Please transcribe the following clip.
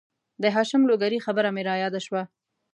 د هاشم لوګرې خبره مې را یاده شوه